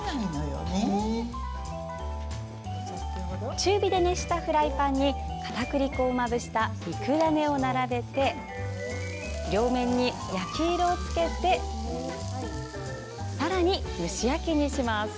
中火で熱したフライパンにかたくり粉をまぶした肉ダネを並べて両面に焼き色を付けてさらに蒸し焼きにします。